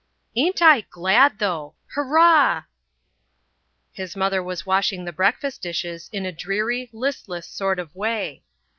"Ain't I glad, though. Hurrah!" His mother was washing the breakfast dishes in a dreary, listless sort of way.